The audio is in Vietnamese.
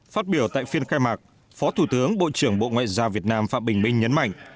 phát biểu tại phiên khai mạc phó thủ tướng bộ trưởng bộ ngoại giao việt nam phạm bình minh nhấn mạnh